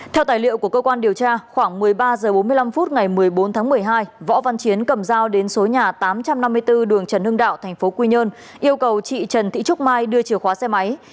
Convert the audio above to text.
theo tài liệu của cơ quan điều tra khoảng một mươi ba h bốn mươi năm phút ngày một mươi bốn tháng một mươi hai võ văn chiến cầm dao đến số nhà tám trăm năm mươi bốn đường trần hưng đạo tp quy nhơn yêu cầu chị trần thị trúc mai đưa chìa khóa xe máy